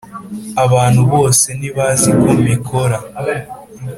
Abantu bose ntibazi ko mbikora